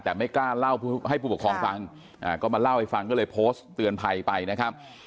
แต่ไม่กล้าเล่าให้ผู้ปกครองฟังก็มาเล่าให้ฟังก็เลยโพสต์เตือนภัยไปนะครับ